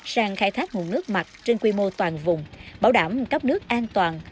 sang khai thác nguồn nước mặt trên quy mô toàn vùng bảo đảm cấp nước an toàn